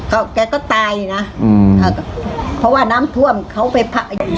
แกก็ตายนะเพราะว่าน้ำท่วมเขาไปพัก